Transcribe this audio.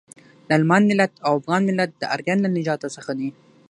د المان ملت او افغان ملت د ارین له نژاده څخه دي.